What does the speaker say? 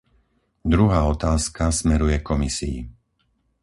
Druhá otázka smeruje Komisii.